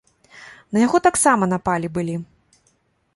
На яго таксама напалі былі.